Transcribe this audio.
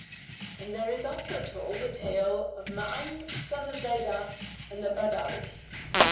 "[FN#135] And there is also told a tale of MA'AN SON OF ZAIDAH AND THE BADAWI.